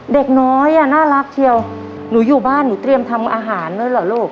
เด็กน้อยอ่ะน่ารักเชียวหนูอยู่บ้านหนูเตรียมทำอาหารด้วยเหรอลูก